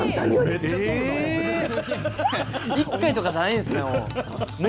１回とかじゃないんですね。